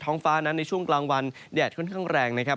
ห้องฟ้านั้นในช่วงกลางวันแดดค่อนข้างแรงนะครับ